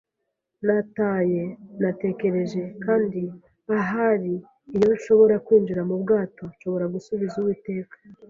Nataye, natekereje, kandi ahari iyo nshobora kwinjira mu bwato nshobora gusubiza Uwiteka